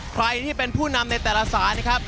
ใครที่เป็นผู้นำในแต่ละสายนะครับ